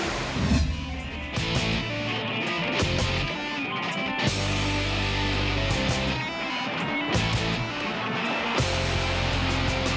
สุดท้าย